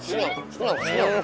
senyum senyum senyum